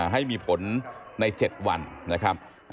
ให้มีผลใน๗วันนะครับ